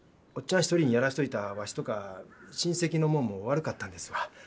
一人にやらしといたわしとか親戚のもんも悪かったんですわ。